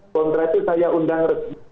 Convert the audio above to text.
kontrasi saya undang